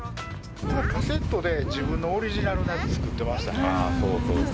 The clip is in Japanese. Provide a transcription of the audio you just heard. カセットで自分のオリジナルのやつ作ってましたね。